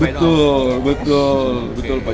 betul betul pak